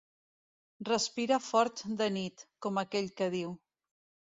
Respira fort de nit, com aquell que diu.